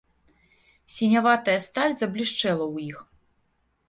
Сіняватая сталь заблішчэла ў іх.